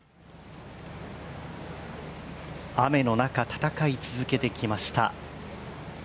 雨の中戦い続けてきました。